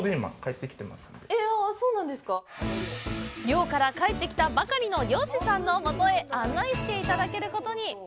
漁から帰ってきたばかりの漁師さんのもとへ案内していただけることに。